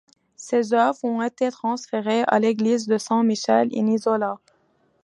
Ces œuvres ont été transférées à l'église de San Michele in Isola.